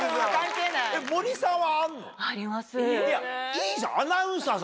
いいじゃん。